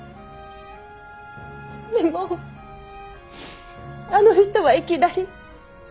でもあの人はいきなり。